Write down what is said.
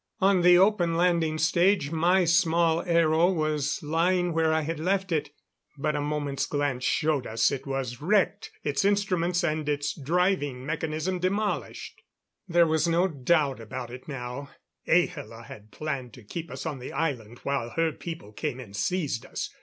On the open landing stage my small aero was lying where I had left it; but a moment's glance showed us it was wrecked its instruments and its driving mechanism demolished! There was no doubt about it now; Ahla had planned to keep us on the island while her people came and seized us.